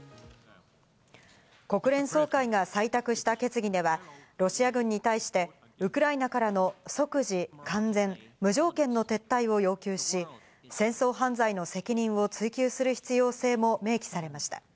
国連総会が採択した決議では、ロシア軍に対してウクライナからの即時、完全、無条件の撤退を要求し、戦争犯罪の責任を追及する必要性も明記されました。